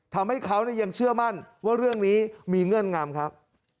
ทำให้เขายังเชื่อมั่นว่าเรื่องนี้มีเงื่อนงำครับ